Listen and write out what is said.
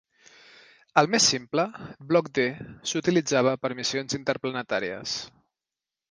El més simple, Blok D, s'utilitzava per a missions interplanetàries.